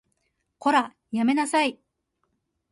こら、やめなさい